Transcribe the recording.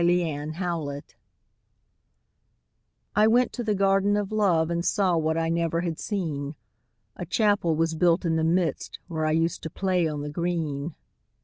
THE GARDEN OF LOVE I went to the Garden of Love, And saw what I never had seen; A Chapel was built in the midst, Where I used to play on the green.